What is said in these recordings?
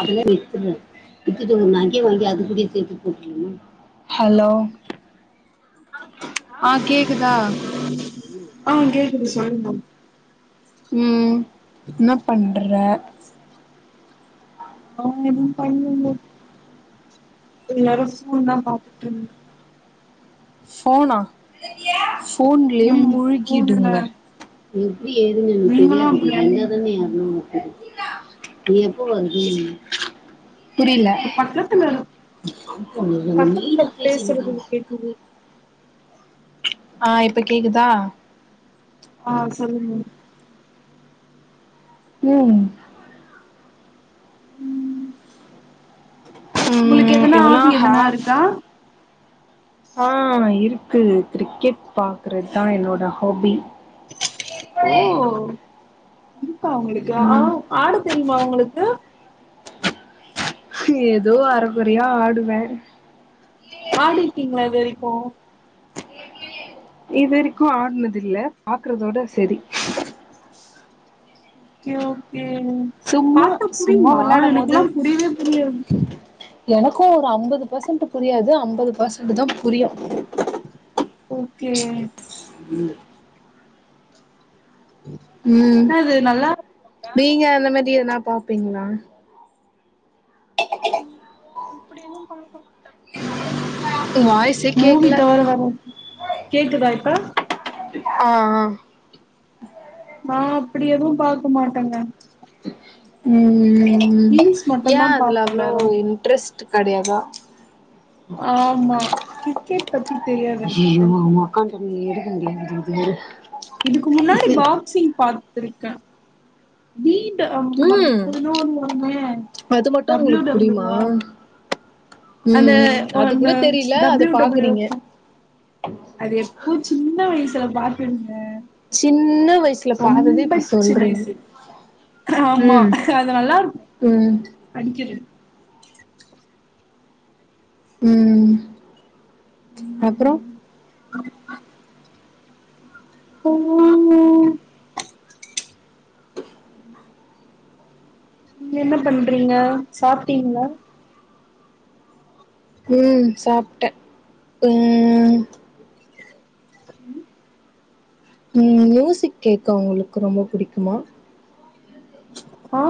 அதல்லா வித்துரு வித்துட்டு நகை வாங்கி அது கூடயே சேத்து [unintelligible] ஹலோ ஆ கேக்குதா ஆ கேக்குது சொல்லுங்க ம் என்ன பண்ற நா எதும் பண்ணலே எல்லாரு ஸ்கூல் தா பாத்துட் இருந்தோ ஃபோனா ஃபோன்லயே இருந்தே ம் ஃபோன்ல முழுகிடுங்க எப்டி ஏதுன்னு எனக் நீங்களு தெரியாதுடி அப்டிதானே வந்தாதான எ இருக்கீங்க அரும ஒனக்கு [unintelligible] நீ எப்போ வந்து என்ன ஒங்க பட்டணத்துல நம்ம பக்கத்துல மெயினா பேசுறது பேசினுக்கோங்க கேக்குது ஆ இப்ப கேக்குதா ஆ சொல்லுங்க ம் ஒங்களுக்கு ம் எதனா ஆபி ஹா எதனா இருக்கா ஆ இருக்கு கிரிக்கெட் பாக்குறத்தா என்னோட ஹாபி [inaudible] ப்பா ஒங்களுக்கு ஆ ம் ஆடத் தெரியுமா ஒங்களுக்கு ஏதோ அறகுறையா ஆடுவே போ இதுவரைக்கு ஆடுனது இல்ல பாக்குறதோட சரி ஓகே ஓகே சும்மா பாத்தா சும்மா புரியுமா வெளாடம் போது எனக்குல்லா புரியவே புரியாது எனக்கு ஒரு அம்பது பர்சன்ட்டு புரியாது அம்பது பர்சன்ட்டுதா புரியு ஓகே ம் ம் நல்லா நீங்க அந்த மாரி எதனா பாப்பீங்ளா நா [unintelligible] இப்டிலா பாக்கமாட்டே வாய்ஸே மூவி கேக்கல தவர வேற எது கேக்குதா இப்ப ஆ ‌ஆ ஆ அப்டி எதுவு பாக்க மாட்டேங்க ம் ம் ரீல்ஸ் மட்டுந்தா ஏன் அதுல பாப்பே அவ்ளோ வேற எதுவு இன்ட்ரெஸ்ட்டு கெடையாதா ஆமா கிரிக்கெட் பத்தி தெரியாது எனக்கு ஐயோ [unintelligible] இதுக்கு முன்னாடி பாக்சிங் பாத்துருக்க வி ட் ம் அப்டி ஒண்ணு ஒண்ணு அது மட்டு டப ள் யூ உங்களுக்கு டப ள் யூவா புரியுமா ம் அந்த ம் அது கூட ஒண்ணு தெரியல டபி அத ள்யூ டபி ள்யூ பாக்குறீங்க இருக்கு அது எப்போ சின்ன வயசுல பாத்ததுங்க சின்ன வயசுல பாத்தது இப்ப சின்ன சொல்றீங்க வயசு ஆமா ம் அது நல்லாருக்கு ம் அடிக்கிறது ம் அப்புறோ அப்புறோ நீங்க என்ன பண்றீங்க சாப்ட்டீங்களா ம் சாப்டே ம் ம் ம் மியூசிக் கேக்க உங்களுக்கு ரொம்ப புடிக்குமா ஆ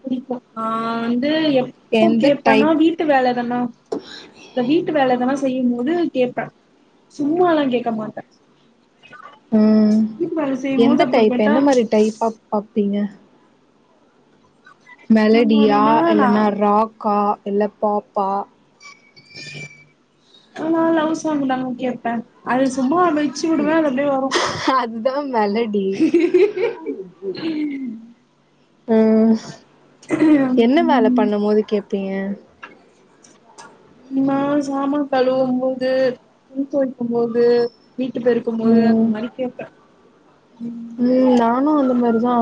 புடிக்கும் ஆ அது எப்போ எந்த கேப்பன்னா டைப் இந்த வீட்டு வேல எதன்னா இந்த வீட்டு வேல ‌எதன்னா செய்யு போது கேப்ப சும்மால்லா கேக்கமாட்ட ம் போது எந்த அப்ப டைப் கேட்டா எந்த மாதிரி டைப்பா பாப்பீங்க மெலடியா முன்னாடினா நா இல்லன்னா ராக்கா இல்ல பாப் பா நா லவ் சாங்கு தாங்க கேப்ப அது சும்மா வச்சுவிடுவ அது அப்டியே வரு அதுதா மெலடி ம் என்ன வேல பண்ணு போது கேப் பீங்க நா சாமான் கழுவு போது துணி தொவைக்குபோது வீட்டு பெருக்கு போது ம் அந்தமாரி‌‌ கேப்ப ம் நானு அந்த மாரிதா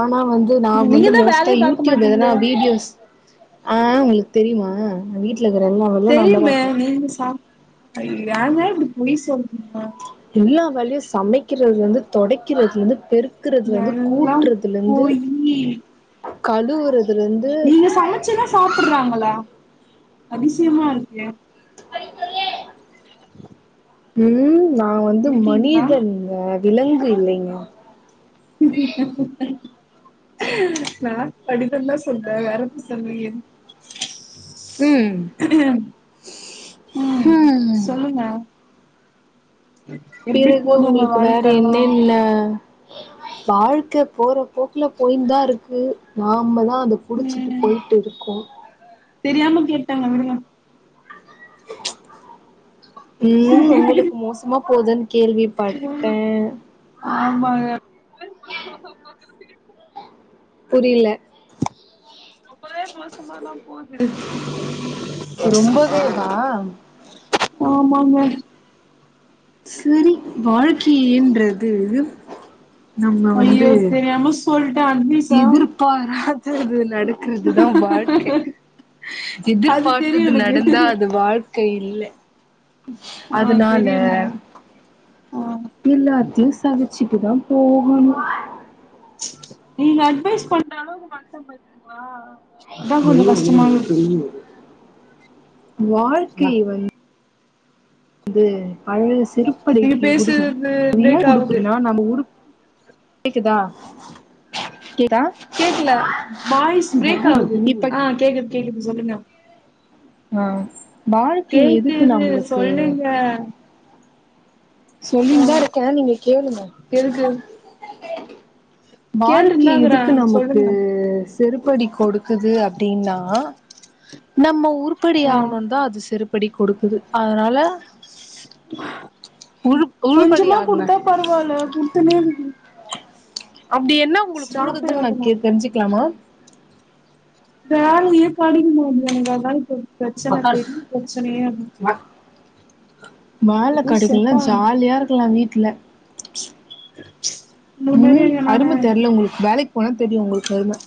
ஆனா வந்து நா நீங்க வந்து தா மோஸ்ட்டா வேலையே பாக்க யூட்யூப் எதனா மாட்டீங்களே வீடியோஸ் ஆ உங்களுக்கு தெரியுமா நா வீட்ல இருக்கிற எல்லா வேலையு நாதா தெரியுமே பாப்ப நீங்க சா ஏங்க இப்டி பொய் சொல்றீங்க எல்லா வேலையு சமக்கிறதுல இருந்து தொடக்கிறதுலருந்து பெரு க்கறுதுல ருந்து எல்லா கூட்டுறதுல இருந்து போயி கழுவுறது நீங்க சமச்சுன்னா சாப்புடுறாங்களா அதிசயமா இருக்கே [unintelligible] உம் நா வந்து இருக்கீங்களா மனிதன்ங்க விலங்கு இல்லைங்க நா மனிதன்தா சொன்னே வேற ஒன்னு சொல்லலையே ம் உம் ம் சொல்லுங்க எப்டி பிறகு போது உங்க உங்களுக்கு வேற வாழ்க்கல்லா என்னென்ன வாழ்க்க போற போக்குல போயிந்தா இருக்கு நாமதா அத புடிச்சிட்டு ம் போய்ட்டு இருக்கோ தெரியாம கேட்டேங்க விடுங்க உம் உங் உங்களுக்கு மோசமா போதுனு கேள்விப்பட்ட ஆமாங்க [inaudible] புரியல ரொம்பவே மோசமாதா போது ரொம்பவேவா ஆமாங்க சரி வாழ்க்கைன்றது நம்ம வந்து அய்யோ தெரியாம சொல்ட்ட அட்விஸ் எதிர்பாராதது நடக்கறதுதா வாழ்க்க அது தெரியு எதிர்பாத்தது எனக்கு நடந்தா அது வாழ் க்க இல்ல ஆ அதனால தெரியுங்க ஆ எல்லாத்தையு சகிச்சிட்டுதா போகனு நீங்க அட்வைஸ் பண்ற அளவுக்கு வந்தம் பாத்திங்ளா வாழ்க்கை வந் து பழைய நீங்க செருப்படிக்கு குடுக்கு பேசுறது அது ஏ பிரேக் ஆகுது குடுக்குதுனா நம்ம உருப் கேக்குதா கேக்குதா கேக்கல வாய்ஸ் பிரேக் ஆகுது இப்ப அ கேக்குது கேக்குது சொல்லுங்க அ வாழ்க்கை எதுக்கு கேக்குது நம்மளுக்கு சொல்லுங்க ஆ சொல்லிந்தா இருக்கே நீங்க கேளுங்க எதுக்கு வாழ்க்கை கேட்டுன்தாக்குறே எதுக்கு நமக்கு சொல்லுங்க செருப்படி கொடுக்குது அப்டின்னா நம்ம உருப்படி ஆ ஆகணுன்தா அது செருப் படி கொடுக்குது அதனால உழு உழுப்படி கொஞ்சமா ஆகுங்க குடுத்தா பரவால்ல குடுத்துனே இருக்குது அப்டி என்ன உங்ளுக்கு ஸ்டாப்பே குடுக்குதுன் நா ஆக கேக்குறே மாட்டே தெரிஞ்சிக்லாமா வேல்யே கெடக் மாட்து எனக்கு அதாங் இப்ப பிரச்சன பெரிய பிரச்சனயே அதா வேல எதுவு செட் கடைகல்நவாஸ் ஆகல ஜால்யா இருக்லா வீட்ல இந்த மாரி ம் நானு அரும தெர்ல உங்ளுக்கு வேலக் போனா தெரியு உங்ளுக்கு அரும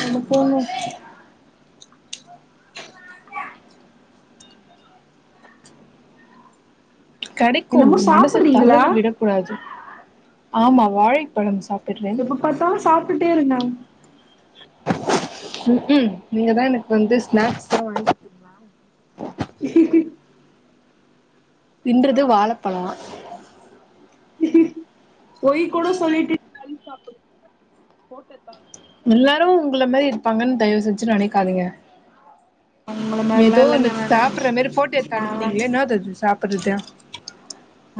நம்ம போணு கெடக்கு என்னமோ மனசு சாப்புட்றீங்களா தளற விடக் கூடாது ஆமா வாழைப்பழம் சாப் எப்ப பாத்தாலு சாப்டுட்டே இருந்த நீங்க தா எனக்கு வந்து ஸ்நாக்ஸ் தா வாங்கிதறிங்களா தின்றது வாழப்பழ பொய் கூட சொல்லிட்டு [unintelligible] போட்டத்தா எல்லாரு உங்ள மேரி இருப்பாங்கன் தய்வு செஞ்சு நனக்காதீங்க உங்கள மாரிலா எதோ ஒன்னு இல்லங்க நானு சாப்புட்ற மாரி போட்டோ எத்த நாலா அனுப்புனீங்களோ என்னது அது சாப்புட்றது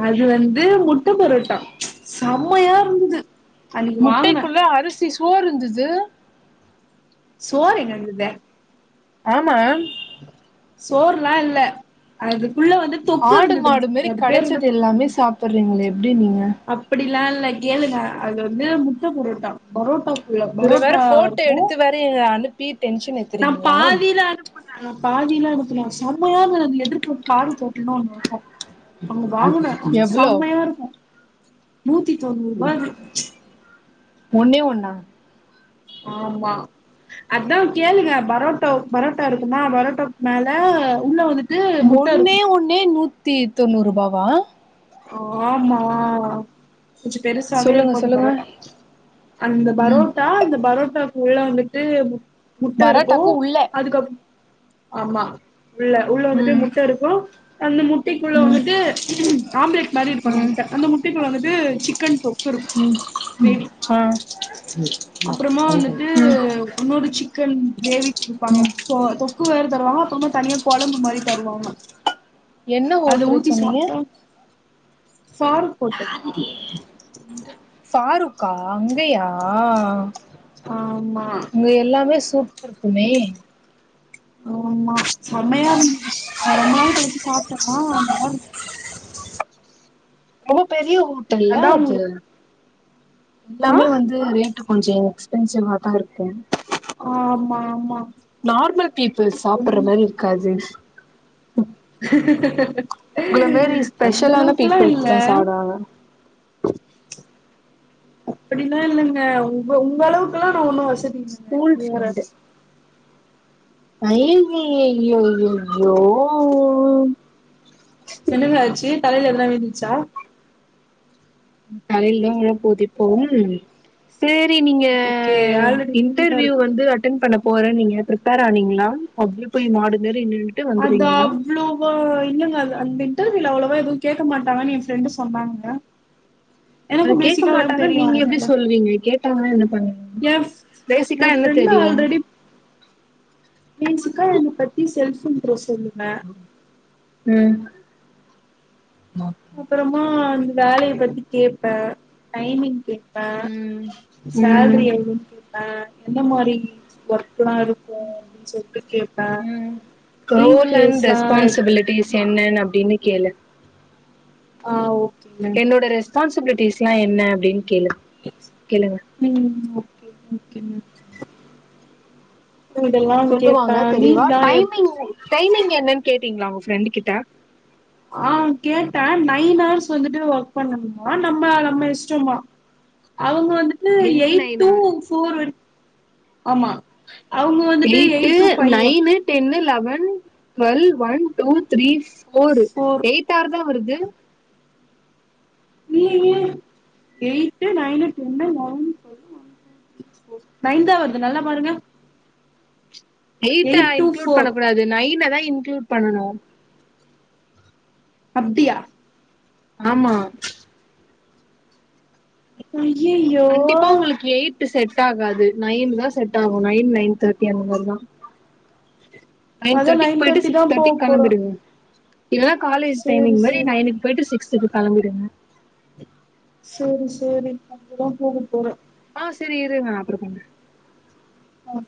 அது வந்து முட்ட பரோட்டா செம்மையாருந்தது முட்டைக்குள்ள அரிசி சோற்ருந்துது சோறு எங்க இருக்குது ஆமா சோறுலா இல்ல அதுக்கு ஆடு மாடு மாரி கெடைச்சது எல்லாமே சாப்பிடுறீங்ளே அப்டிலா இல்ல கேளுங்க அது வந்து முட்ட பரோட்டா பரோட்டா இதுல வேற பரோட்டா போட்டோ இருக்கு எடுத்து வேற எங்கள அனுப்பி டென்ஷன் நா ஏத்துறீங்களா பாதில அனுப்புன பாதிலா எனக்குல செம்மயான ந எதிரு ஒரு பால் போட்டணு ஒன்னு இருக்கு அவங்க வாங்கின அவங்க எவ்ளோ செம்மையா இருக்கு நூத்து தொண்நூற்பா அது ஒன்னே ஒன்னா ஆமா அதா கேளுங்க பரோட்டா பரோட்டா இருக்குமா பரோட்டாக்கு மேல உள்ள வந்து ஒண்ணே ஒண்ணே நூத்தி தொண்ணூறுபாவா ஆமா கொஞ்ச பெருசாவே சொல்லுங்க சொல்லுங்க இருக்கு அந்த பரோட்டா அந்த ம் பரோட்டா அந்த பரோட்டா உள்ள வந்துட்டு முட் முட்ட இருக்கு பரோட்டாக்கு உள்ள அதுக்கப் ஆமா உள்ள உள்ள வந்துட்டு ம் முட்டை இருக்கு அந்த மு ட்டைக்குள்ள ம் வந்துட்டு ஆம்லேட் மாரி இருக்கு ம் முட்டை அந்த முட்டைக்குள்ள வந்துட்டு சிக்கன் தொ ஆ [unintelligible] அப்பறமா ம் வந்துட்டு உன்னொரு சிக்கன் சிக்கன் கிரேவி கொடுப்பாங்க ம் தொக்கு வேற தருவாங்க அப்பறமா தனியா கொழம்பு மாரி தருவாங்க என்ன அத ஹோட்டல் ஊத்தி சொன்னீங்க சாப்பிட்டா சாருபோட்டு பாருக்கா அங்கயா ஆம்மா சூப்பிருக்குமே ஆம்மா செம்மையா இருந்த நான் ரொம்ப நாள் கழிச்சு சாப்பிட்டோம ரொம்ப பெரிய ஓட்டல் இல்ல அதா அது உங்களுக்கு ஆ எல்லாமே வந்து ரேட்டு கொஞ்ச எக்ஸ்பென்சிவா தான் இருக்கு ஆ ஆமாம்மா நார்மல் பீப்பிள் சாப்பிடுற மாரி இருக்காது உங்கள மாரி அந்த ஸ்பெஷலான அளவுக்குல்லா இல்ல பீப்புள்ஸ் தா சாப்டுவாங்க அப்படிலாம் இல்லங்க உங்க உங்க அளவுக்குல்லா ந ஒண்ணு ஸ்கூல் ஃப்ரெண்டு அய்யய்யய்யோயோயோ என்னங்க ஆச்சு தலையில எதன விழுந்துச்சா தலையில தான் உழபோது இப்போம் சேரி நீங்க ஓகே ஆல்ரெடி விழுந்துதா இன்டர்வியூ இருக்கு வந்து அட்டன் பண்ணப் போற நீங்க பிரிப்பர் ஆனீங்களா அப்டியே போய் மாடு நின்னுட்டு அது வந்துருவீங்களா அவ்ளேவா இல்லங்க வந்துட்டு இல்ல அவ்ளவா எதுவும் கேட்க மாட்டாங்கன்னு என் ஃப்ரெண்டு் சொன்னாங்க அத எனக்கும் கேட்க பேசிக்கா எல்லாம் மாட்டாங்க தெரியும் நீங்க எப்டி அதனால. சொல்றீங்க கேட்டாங்களா என்ன என் ஃப் பேசிக்கா என் என்ன ஃப்ரெண்டு தெரியும் ஆல்ரெடி பேசிக்கா என்ன பத்தி செல்போன் நோ சொல்லு உம் அப்பறமா அந்த வேலைய பத்தி கேப்பேன் டைமிங் கேப்பேன் ம் ம் சேல்ரி எவ்ளோ கேப்பேன் எந்த மாரி ஒர்க் இப்பல்லாம் இருக்கும் சொல்லிட்டு கேப்பேன் ம் ரோல் அண்ட் ரெஸ்பான்சிபிலிட்டிஸ் என்னன்னு அப்படின்னு கேளு ஆஹ் ஓ என்னோட ரெஸ்பான்சிபிலிட்டிஸ் எல்லாம் என்ன அப்டின்னு கேளு கேளுங்க ம் ஓகேங்க இதெல்லாம் சொல்லுவாங்க கேட்பேன். தெளிவா லீவ்லாம் எப் டைமிங் டைமிங் என்னனு கேட்டீங்களா உங்க ஃப்ரெண்டு கிட்ட ஆஹ் கேட்டே நைன் ஹார்ஸ் வந்துட்டு ஒர்க் பண்ணனுமா நம்ம நம்ம இஷ்டமா அவங்க வந்துட்டு any eight nine two or four வெரிக் ஆமா அவங்க வந்துட்டு eight eight two five work nine ten ல் eleven twelve one two three four four எய்ட்ஆர் தான் வருது நீயி eight nine ten eleven twelve ஒன்ற நைன்தா வருது நல்லா பாருங்க எயிட்ட எயிட் டூ இன்குளுட் ஃபோர் பண்ணக்க கூடாது நைன் அ தான் இன்குளுட் பண்ணனு அப்டியா ஆமா அய்யய்யோ கண்டிப்பா உங்களுக்கு எயிட் செட் ஆகாது நைன் தான் செட் ஆகு நைன் நைன் தேர்ட்டி அந்த மாரி தான் நைன் அதா தேர்டிக்கு போயிட்டு தேர்ட்டி தா சிக்ஸ் போக தேர்ட்டிக்கு போறே கிளம்பிடுங்க இல்லா காலேஜ் சேரி டைமிங் மாதிரி சேரி நைனுக்கு போயிட்டு சிக்ஸ்துக்கு கிளம்பிடுங்க சரி சரி அப்பதான் போக போறேன் ஆ சரி இரு நான் அப்புற பண்ற உம்